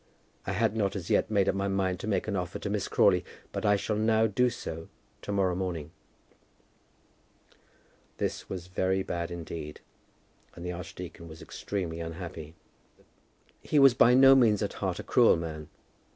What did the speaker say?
I had not as yet made up my mind to make an offer to Miss Crawley, but I shall now do so to morrow morning." This was very bad indeed, and the archdeacon was extremely unhappy. He was by no means at heart a cruel man.